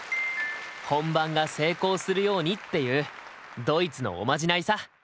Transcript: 本番が成功するようにっていうドイツのおまじないさ。